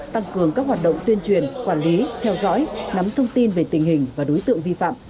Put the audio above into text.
tăng cường các hoạt động tuyên truyền quản lý theo dõi nắm thông tin về tình hình và đối tượng vi phạm